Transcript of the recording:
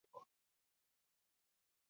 Urritik maiatzera jarriko dute.